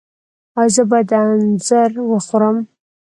ایا زه باید انځر وخورم؟